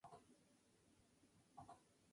Segundo Cuartel: De las Autoridades.